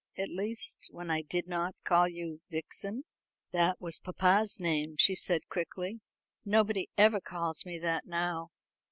at least, when I did not call you Vixen." "That was papa's name," she said quickly. "Nobody ever calls me that now."